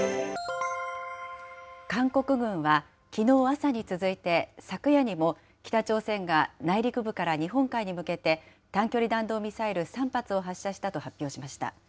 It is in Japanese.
韓国軍は、きのう朝に続いて、昨夜にも北朝鮮が内陸部から日本海に向けて短距離弾道ミサイル３発を発射したと発表しました。